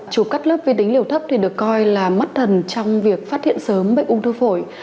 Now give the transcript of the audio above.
chụp cắt lớp vi tính liều thấp thì được coi là mắt thần trong việc phát hiện sớm bệnh ung thư phổi